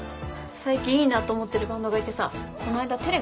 最近いいなと思ってるバンドがいてさこないだテレビで流れてて。